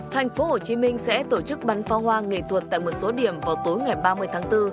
thành phố hồ chí minh sẽ tổ chức bắn pha hoa nghệ thuật tại một số điểm vào tối ngày ba mươi tháng bốn